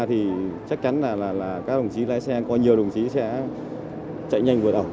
thì chắc chắn là các đồng chí lái xe có nhiều đồng chí sẽ chạy nhanh vượt vào